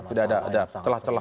tidak ada celah celah